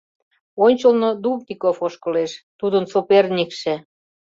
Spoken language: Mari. Ончылно Дубников ошкылеш, тудын соперникше.